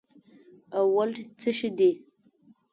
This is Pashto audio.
او ولټ څه شي دي